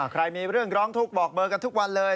ใครมีเรื่องร้องทุกข์บอกเบอร์กันทุกวันเลย